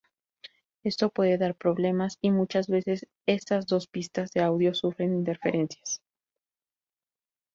Esto puede dar problemas y muchas veces estas dos pistas de audio sufren interferencias.